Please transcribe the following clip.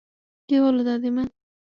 কি হলো, দাদীমা?